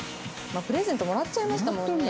プレゼントもらっちゃいましたもんね。